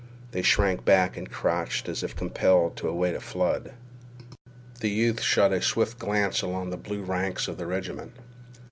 They shrank back and crouched as if compelled to await a flood. The youth shot a swift glance along the blue ranks of the regiment.